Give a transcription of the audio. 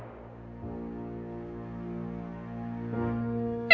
perintah raja saros